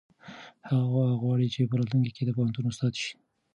هغه غواړي چې په راتلونکي کې د پوهنتون استاد شي.